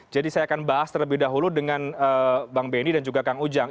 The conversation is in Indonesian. jadi saya akan bahas terlebih dahulu dengan bang benny dan juga kang ujang